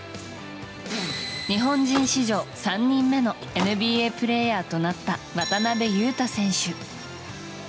日本人史上３人目のＮＢＡプレーヤーとなった渡邊雄太選手。